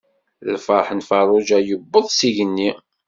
Lferḥ n Ferruǧa yewweḍ s igenni.